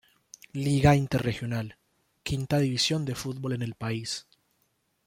Liga Interregional, quinta división de fútbol en el país.